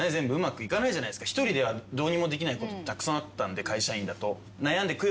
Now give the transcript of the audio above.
１人ではどうにもできないことたくさんあったんで会社員だと。